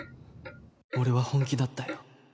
俺は本気だったよ。